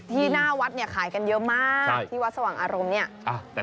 หน้าวัดเนี่ยขายกันเยอะมากที่วัดสว่างอารมณ์เนี่ย